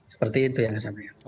seperti itu yang saya ingin katakan